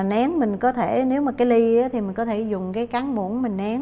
nén mình có thể nếu mà cái ly á thì mình có thể dùng cái cắn muỗng mình nén